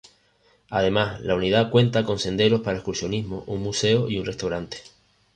Además, la unidad cuenta con senderos para excursionismo, un museo y un restaurante.